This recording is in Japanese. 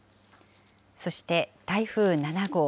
そして、台風７号。